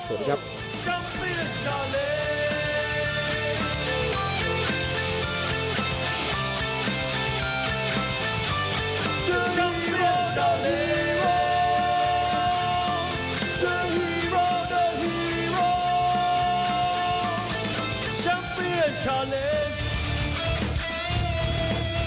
โปรดติดตามตอนต่อไป